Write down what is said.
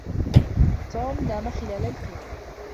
توم نامَ خِلالَ الفيلم